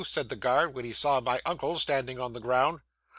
said the guard, when he saw my uncle standing on the ground.